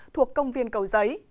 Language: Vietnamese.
thuộc công viên cầu giấy